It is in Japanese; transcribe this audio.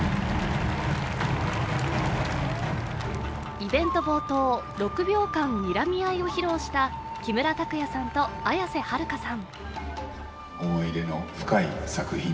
イベント冒頭、６秒間にらみ合いを披露した木村拓哉さんと綾瀬はるかさん。